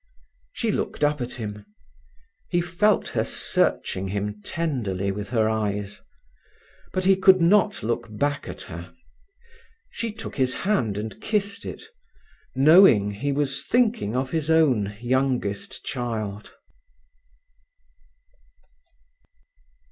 She looked up at him. He felt her searching him tenderly with her eyes. But he could not look back at her. She took his hand and kissed it, knowing he was thinking of his own youngest child.